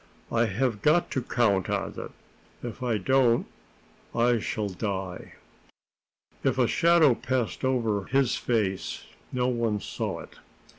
"I have got to count on it. If I don't, I shall die." If a shadow passed over his face, no one saw it.